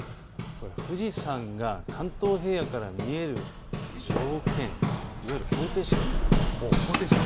富士山が関東平野から見える条件、いわゆる方程式なんです。